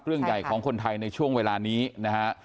เรื่องใหญ่ของคนไทยในช่วงเวลานี้นะฮะ